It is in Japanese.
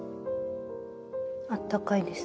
あったかいです。